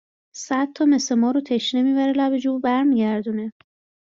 صد تا مث مارو تشنه می بره لب جوب بر میگردونه